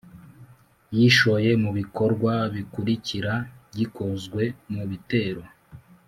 Yishoye mu bikorwa bikurikira gikozwe mu bitero